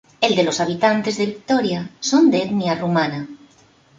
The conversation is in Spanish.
El de los habitantes de Victoria son de etnia rumana.